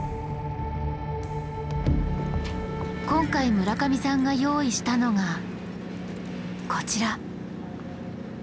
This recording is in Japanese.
今回村上さんが用意したのがこちら。